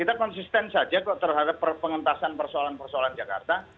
kita konsisten saja kok terhadap pengentasan persoalan persoalan jakarta